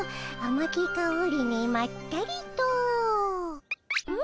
まきかおりにまったりと」。